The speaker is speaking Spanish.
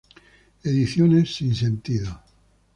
Ediciones Sinsentido.